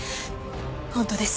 本当です。